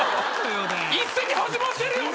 一席始まってるよね？